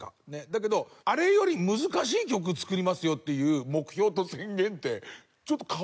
だけど「あれより難しい曲作りますよ」っていう目標と宣言ってちょっと変わってますね。